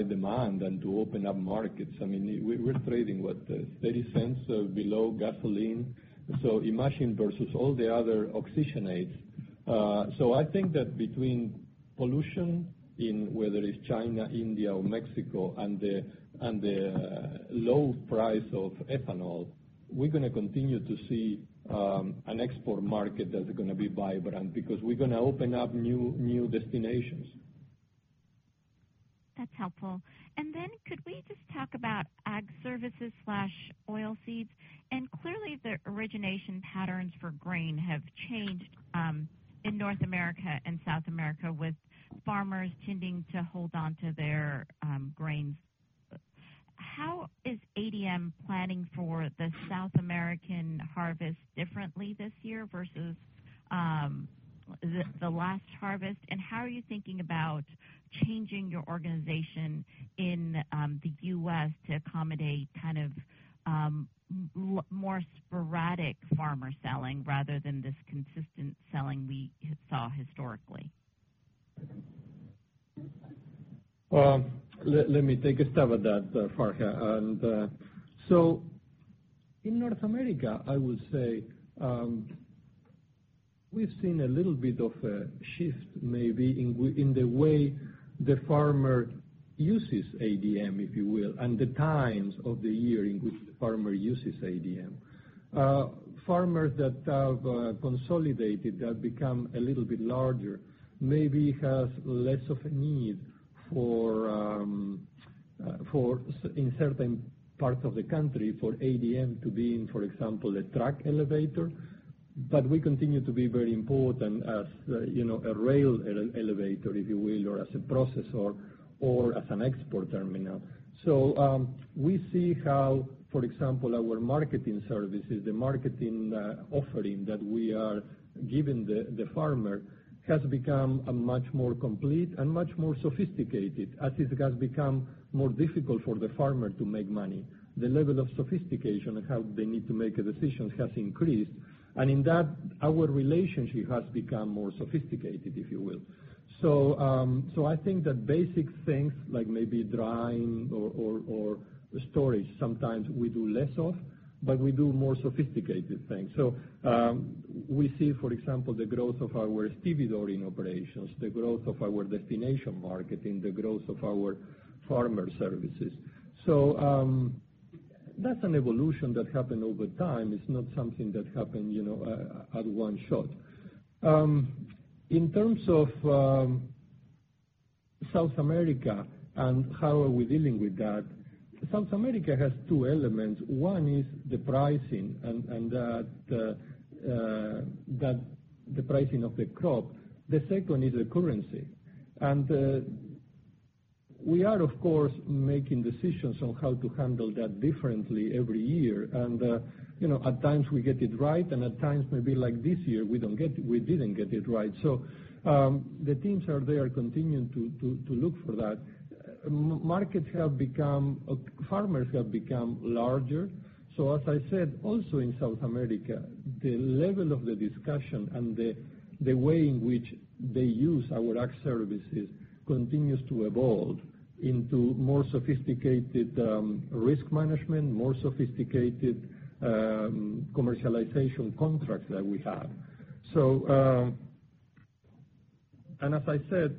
demand and to open up markets. We're trading, what, $0.30 below gasoline? Imagine versus all the other oxygenates. I think that between pollution in whether it's China, India, or Mexico, and the low price of ethanol, we're going to continue to see an export market that is going to be vibrant because we're going to open up new destinations. That's helpful. Could we just talk about Ag Services/Oilseeds? Clearly the origination patterns for grain have changed in North America and South America, with farmers tending to hold onto their grains. How is ADM planning for the South American harvest differently this year versus the last harvest? How are you thinking about changing your organization in the U.S. to accommodate kind of more sporadic farmer selling rather than this consistent selling we saw historically? Let me take a stab at that, Farha. In North America, I would say, we've seen a little bit of a shift maybe in the way the farmer uses ADM, if you will, and the times of the year in which the farmer uses ADM. Farmers that have consolidated, that become a little bit larger, maybe have less of a need in certain parts of the country for ADM to be in, for example, a truck elevator. We continue to be very important as a rail elevator, if you will, or as a processor or as an export terminal. We see how, for example, our marketing services, the marketing offering that we are giving the farmer has become much more complete and much more sophisticated as it has become more difficult for the farmer to make money. The level of sophistication of how they need to make decisions has increased. In that, our relationship has become more sophisticated, if you will. I think that basic things like maybe drying or storage, sometimes we do less of, but we do more sophisticated things. We see, for example, the growth of our stevedoring operations, the growth of our destination marketing, the growth of our farmer services. That's an evolution that happened over time. It's not something that happened at one shot. In terms of South America and how are we dealing with that, South America has two elements. One is the pricing, and the pricing of the crop. The second is the currency. We are, of course, making decisions on how to handle that differently every year. At times we get it right, and at times, maybe like this year, we didn't get it right. The teams are there continuing to look for that. Farmers have become larger. As I said, also in South America, the level of the discussion and the way in which they use our Ag Services continues to evolve into more sophisticated risk management, more sophisticated commercialization contracts that we have. As I said,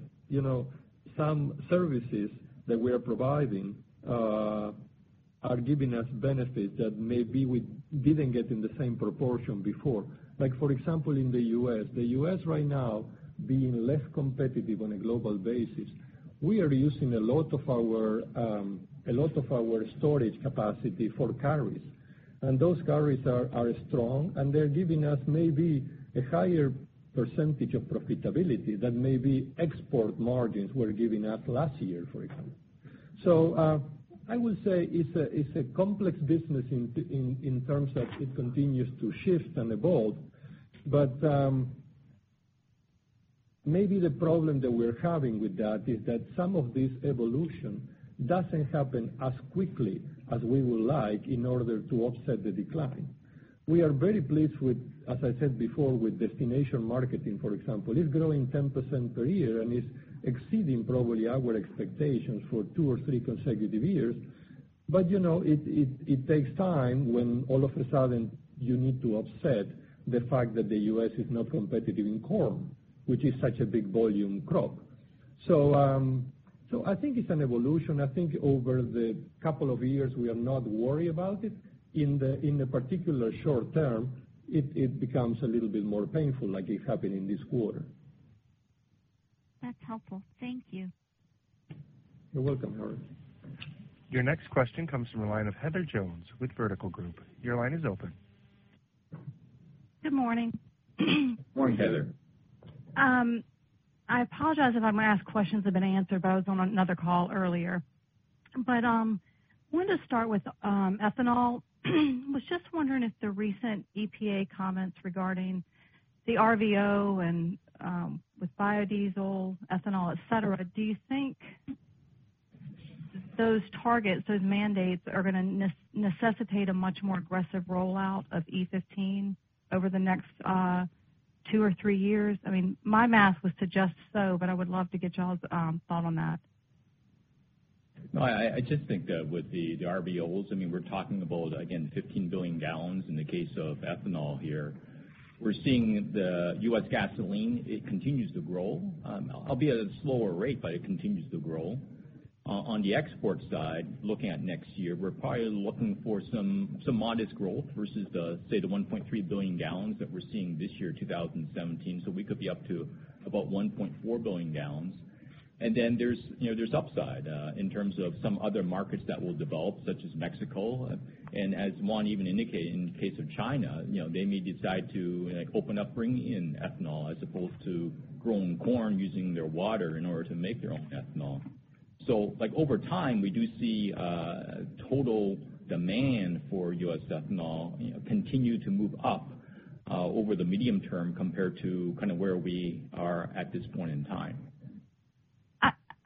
some services that we are providing are giving us benefits that maybe we didn't get in the same proportion before. Like for example, in the U.S. The U.S. right now, being less competitive on a global basis, we are using a lot of our storage capacity for carries. Those carries are strong, and they're giving us maybe a higher % of profitability than maybe export margins were giving us last year, for example. I would say it's a complex business in terms of it continues to shift and evolve, but maybe the problem that we're having with that is that some of this evolution doesn't happen as quickly as we would like in order to offset the decline. We are very pleased with, as I said before, with destination marketing, for example. It's growing 10% per year, and it's exceeding probably our expectations for two or three consecutive years. It takes time when all of a sudden you need to offset the fact that the U.S. is not competitive in corn, which is such a big volume crop. I think it's an evolution. I think over the couple of years, we are not worried about it. In the particular short term, it becomes a little bit more painful, like it happened in this quarter. That's helpful. Thank you. You're welcome, Farha. Your next question comes from the line of Heather Jones with Vertical Group. Your line is open. Good morning. Morning, Heather. I apologize if I'm asking questions that have been answered, but I was on another call earlier. Wanted to start with ethanol. Was just wondering if the recent EPA comments regarding the RVO and with biodiesel, ethanol, et cetera, do you think those targets, those mandates, are going to necessitate a much more aggressive rollout of E15 over the next two or three years? My math would suggest so, but I would love to get y'all's thought on that. I just think that with the RVOs, we're talking about, again, 15 billion gallons in the case of ethanol here. We're seeing the U.S. gasoline, it continues to grow, albeit at a slower rate, but it continues to grow. On the export side, looking at next year, we're probably looking for some modest growth versus, say, the 1.3 billion gallons that we're seeing this year, 2017. We could be up to about 1.4 billion gallons. There's upside in terms of some other markets that will develop, such as Mexico. As Juan even indicated, in the case of China, they may decide to open up bringing in ethanol as opposed to growing corn, using their water in order to make their own ethanol. Over time, we do see total demand for U.S. ethanol continue to move up over the medium term compared to where we are at this point in time.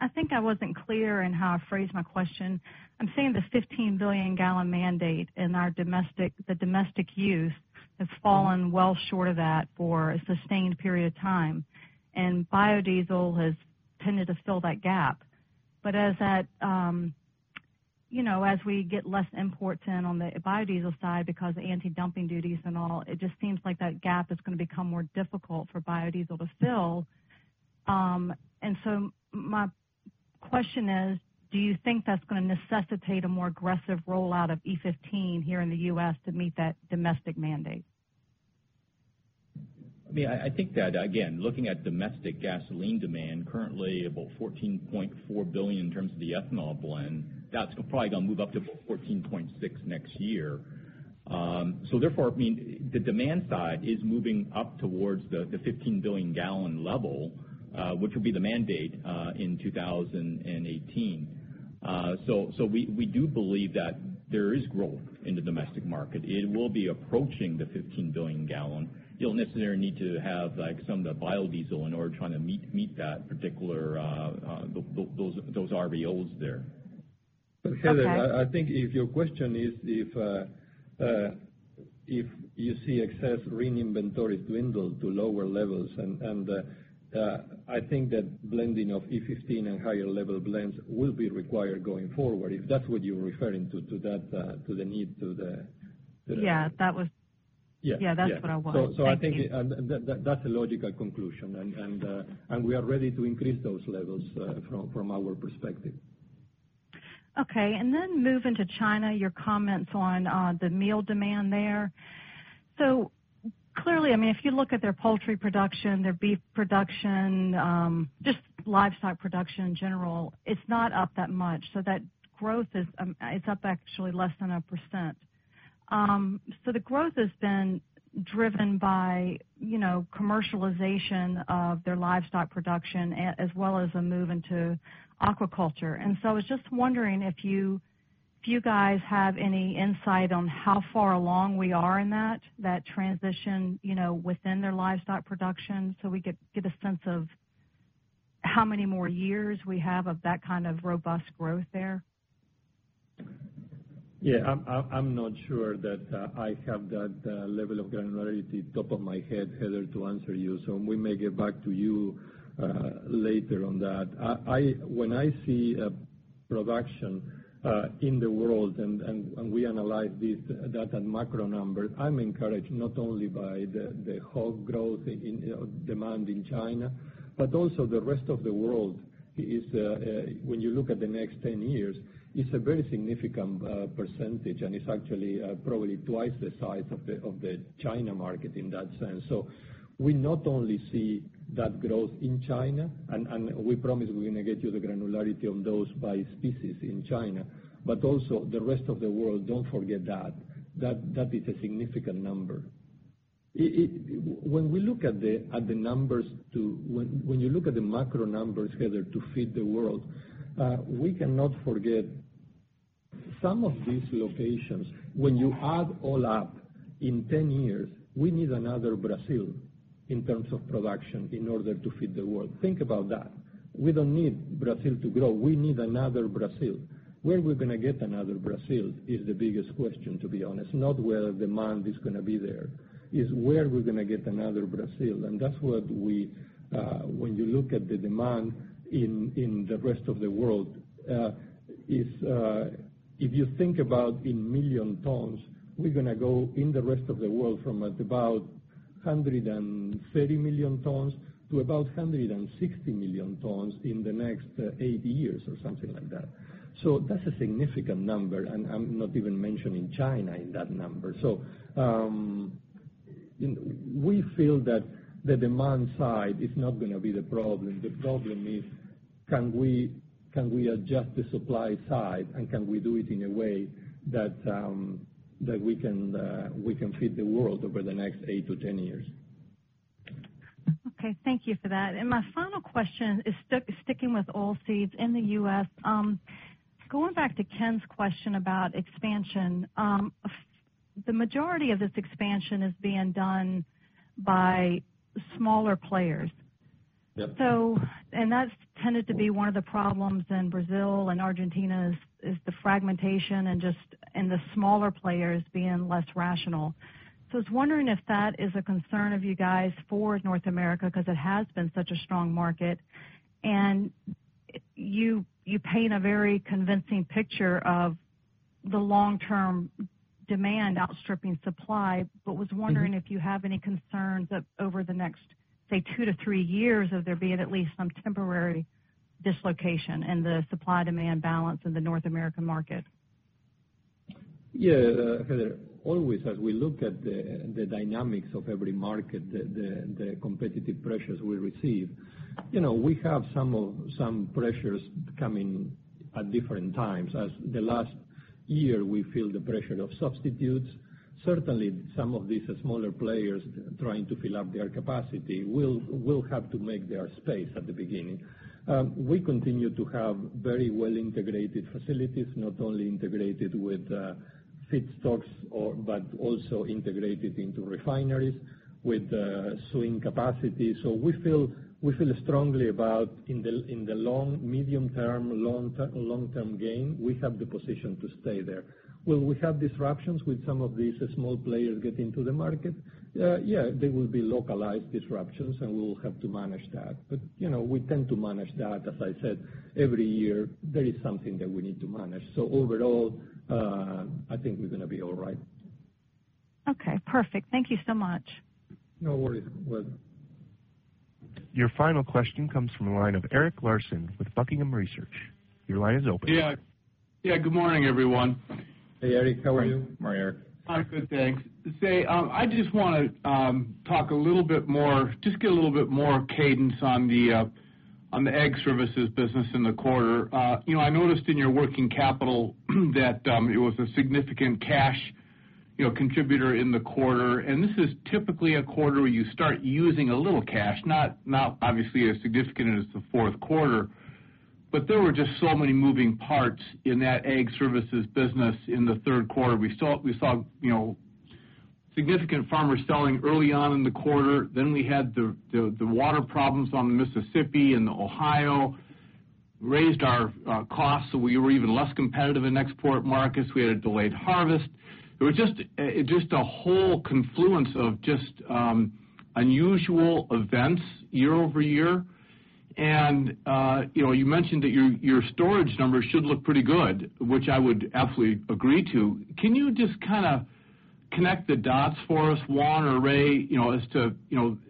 I think I wasn't clear in how I phrased my question. I'm saying the 15-billion gallon mandate and the domestic use has fallen well short of that for a sustained period of time, and biodiesel has tended to fill that gap. As we get less imports in on the biodiesel side because of anti-dumping duties and all, it just seems like that gap is going to become more difficult for biodiesel to fill. My question is, do you think that's going to necessitate a more aggressive rollout of E15 here in the U.S. to meet that domestic mandate? I think that, again, looking at domestic gasoline demand, currently about $14.4 billion in terms of the ethanol blend, that's probably going to move up to about $14.6 billion next year. Therefore, the demand side is moving up towards the $15 billion gallon level, which will be the mandate in 2018. We do believe that there is growth in the domestic market. It will be approaching the $15 billion gallon. You'll necessarily need to have some of the biodiesel in order trying to meet that particular, those RVOs there. Okay. Heather, I think if your question is if you see excess green inventories dwindle to lower levels, I think that blending of E15 and higher level blends will be required going forward, if that's what you're referring to the need Yeah, that's what I want. Thank you. I think that's a logical conclusion, we are ready to increase those levels from our perspective. Okay. Moving to China, your comments on the meal demand there. Clearly, if you look at their poultry production, their beef production, just livestock production in general, it's not up that much. That growth is up actually less than 1%. The growth has been driven by commercialization of their livestock production, as well as a move into aquaculture. I was just wondering if you guys have any insight on how far along we are in that transition within their livestock production, so we get a sense of how many more years we have of that kind of robust growth there. Yeah. I'm not sure that I have that level of granularity off the top of my head, Heather, to answer you. We may get back to you later on that. When I see production in the world, and we analyze that and macro numbers, I'm encouraged not only by the whole growth demand in China, but also the rest of the world. When you look at the next 10 years, it's a very significant percentage, and it's actually probably twice the size of the China market in that sense. We not only see that growth in China, and we promise we're going to get you the granularity on those by species in China, but also the rest of the world. Don't forget that. That is a significant number. When you look at the macro numbers, Heather, to feed the world, we cannot forget some of these locations, when you add all up in 10 years, we need another Brazil in terms of production in order to feed the world. Think about that. We don't need Brazil to grow. We need another Brazil. Where we're going to get another Brazil is the biggest question, to be honest, not whether demand is going to be there, is where we're going to get another Brazil. That's what when you look at the demand in the rest of the world, if you think about in million tons, we're going to go in the rest of the world from at about 130 million tons to about 160 million tons in the next eight years or something like that. That's a significant number, and I'm not even mentioning China in that number. We feel that the demand side is not going to be the problem. The problem is, can we adjust the supply side, and can we do it in a way that we can feed the world over the next eight to 10 years? Okay. Thank you for that. My final question is sticking with Oilseeds in the U.S. Going back to Ken's question about expansion. The majority of this expansion is being done by smaller players. Yep. That's tended to be one of the problems in Brazil and Argentina is the fragmentation and the smaller players being less rational. I was wondering if that is a concern of you guys for North America, because it has been such a strong market. You paint a very convincing picture of the long-term demand outstripping supply, but was wondering if you have any concerns that over the next, say, two to three years, of there being at least some temporary dislocation in the supply-demand balance in the North American market. Yeah, Heather. Always, as we look at the dynamics of every market, the competitive pressures we receive, we have some pressures coming at different times. As the last year, we feel the pressure of substitutes. Certainly, some of these smaller players trying to fill up their capacity will have to make their space at the beginning. We continue to have very well-integrated facilities, not only integrated with feedstocks, but also integrated into refineries with sewing capacity. We feel strongly about in the medium-term, long-term gain, we have the position to stay there. Will we have disruptions with some of these small players getting into the market? Yeah. They will be localized disruptions, and we will have to manage that. We tend to manage that. As I said, every year, there is something that we need to manage. Overall, I think we're going to be all right. Okay, perfect. Thank you so much. No worries. Your final question comes from the line of Erik Larson with Buckingham Research. Your line is open. Yeah. Good morning, everyone. Hey, Erik. How are you? Morning. Morning, Erik. I'm good, thanks. Say, I just want to talk a little bit more, just get a little bit more cadence on the Ag Services business in the quarter. I noticed in your working capital that it was a significant cash contributor in the quarter. This is typically a quarter where you start using a little cash, not obviously as significant as the fourth quarter. There were just so many moving parts in that Ag Services business in the third quarter. We saw significant farmers selling early on in the quarter. We had the water problems on the Mississippi and the Ohio, raised our costs, so we were even less competitive in export markets. We had a delayed harvest. It was just a whole confluence of just unusual events year-over-year. You mentioned that your storage numbers should look pretty good, which I would absolutely agree to. Can you just kind of Connect the dots for us, Juan or Ray, as to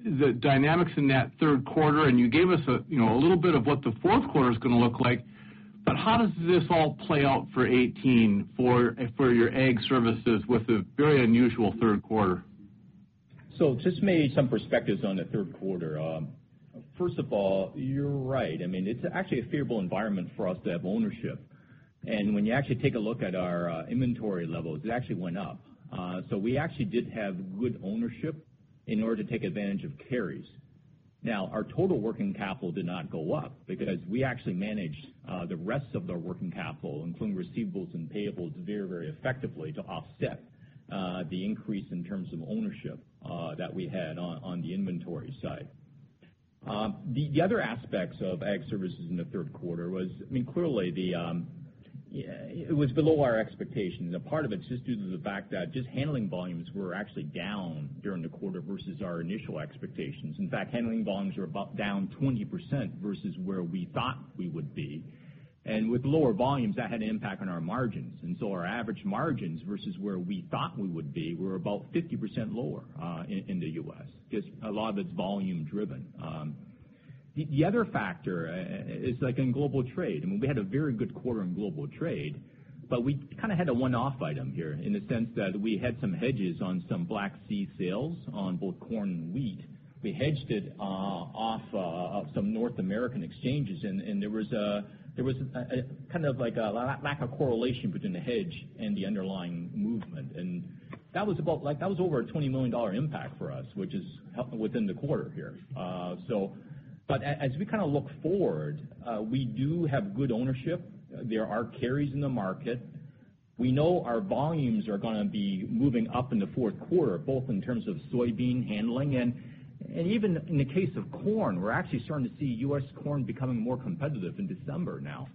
the dynamics in that third quarter, and you gave us a little bit of what the fourth quarter is going to look like. How does this all play out for 2018 for your Ag Services with a very unusual third quarter? Just maybe some perspectives on the third quarter. First of all, you're right. It's actually a favorable environment for us to have ownership. When you actually take a look at our inventory levels, it actually went up. We actually did have good ownership in order to take advantage of carries. Now, our total working capital did not go up because we actually managed the rest of their working capital, including receivables and payables, very, very effectively to offset the increase in terms of ownership that we had on the inventory side. The other aspects of Ag Services in the third quarter was, clearly it was below our expectations. A part of it is just due to the fact that just handling volumes were actually down during the quarter versus our initial expectations. In fact, handling volumes were about down 20% versus where we thought we would be. With lower volumes, that had an impact on our margins. Our average margins versus where we thought we would be, were about 50% lower in the U.S., just a lot of it's volume driven. The other factor is like in global trade. We had a very good quarter in global trade, we kind of had a one-off item here in the sense that we had some hedges on some Black Sea sales on both corn and wheat. We hedged it off of some North American exchanges, and there was a kind of lack of correlation between the hedge and the underlying movement. That was over a $20 million impact for us, which is within the quarter here. As we kind of look forward, we do have good ownership. There are carries in the market. We know our volumes are going to be moving up in the fourth quarter, both in terms of soybean handling and even in the case of corn, we're actually starting to see U.S. corn becoming more competitive in December now.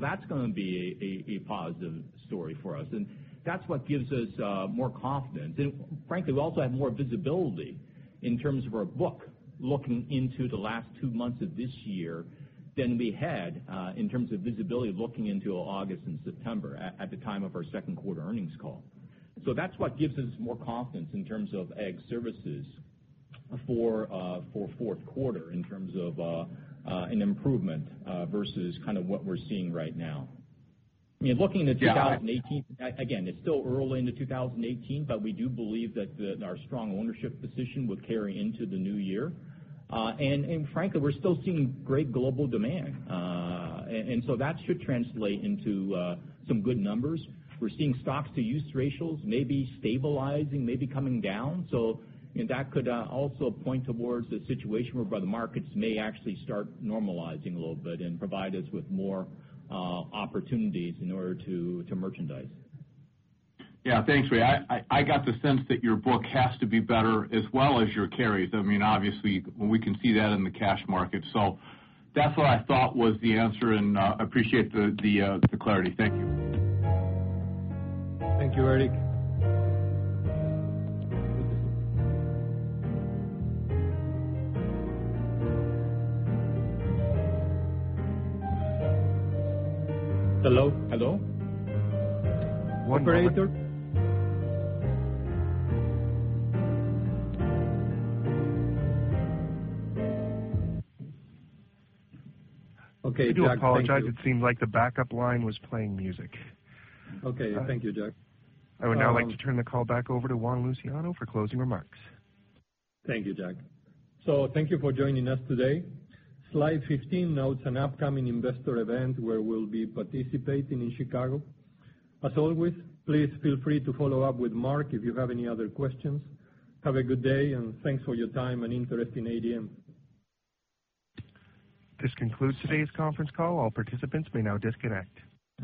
That's going to be a positive story for us, and that's what gives us more confidence. Frankly, we also have more visibility in terms of our book looking into the last two months of this year than we had in terms of visibility looking into August and September at the time of our second quarter earnings call. That's what gives us more confidence in terms of Ag Services for fourth quarter in terms of an improvement versus what we're seeing right now. Looking into 2018, again, it's still early into 2018, we do believe that our strong ownership position will carry into the new year. Frankly, we're still seeing great global demand. That should translate into some good numbers. We're seeing stocks-to-use ratios maybe stabilizing, maybe coming down. That could also point towards a situation whereby the markets may actually start normalizing a little bit and provide us with more opportunities in order to merchandise. Thanks, Ray. I got the sense that your book has to be better as well as your carries. Obviously, we can see that in the cash market. That's what I thought was the answer, and appreciate the clarity. Thank you. Thank you, Erik. Hello? Hello? Operator? Okay, Jack. Thank you. I do apologize. It seemed like the backup line was playing music. Okay. Thank you, Jack. I would now like to turn the call back over to Juan Luciano for closing remarks. Thank you, Jack. Thank you for joining us today. Slide 15 notes an upcoming investor event where we'll be participating in Chicago. As always, please feel free to follow up with Mark if you have any other questions. Have a good day, and thanks for your time and interest in ADM. This concludes today's conference call. All participants may now disconnect.